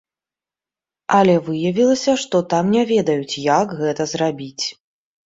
Але выявілася, што там не ведаюць, як гэта зрабіць.